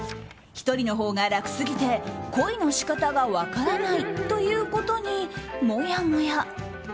１人のほうが楽すぎて恋の仕方が分からないということにもやもや。